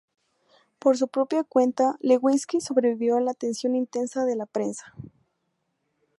Por su propia cuenta, Lewinsky sobrevivió a la atención intensa de la prensa.